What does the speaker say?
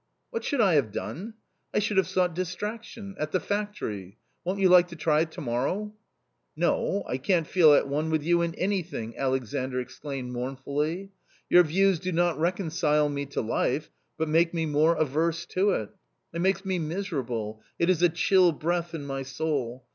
" What should I have done? I should have sought dis traction .... at the factory. Won't you like to try to morrow ?"" No, I can't feel at one with you in anything," Alexandr exclaimed mournfully ;" your views do not reconcile me to life, but make me more averse to it. It makes me miser able, it is a chill breath in my soul.